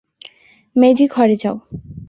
মেইজি ঘরে যাও।